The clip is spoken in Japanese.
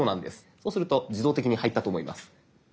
そうすると自動的に入ったと思います。